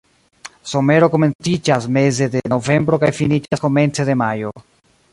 Somero komenciĝas meze de novembro kaj finiĝas komence de majo.